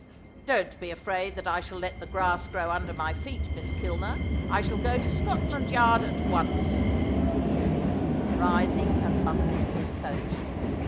"Don't be afraid that I shall let the grass grow under my feet, Miss Kilner. I shall go to Scotland Yard at once," he said, rising and buttoning his coat.